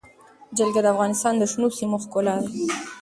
جلګه د افغانستان د شنو سیمو ښکلا ده.